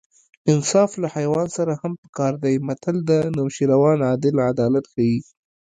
انصاف له حیوان سره هم په کار دی متل د نوشیروان عادل عدالت ښيي